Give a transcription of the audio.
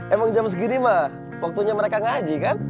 emang jam segini mah waktunya mereka ngaji kan